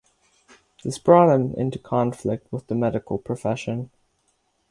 This brought him into conflict with the medical profession.